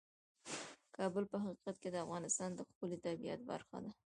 کابل په حقیقت کې د افغانستان د ښکلي طبیعت برخه ده.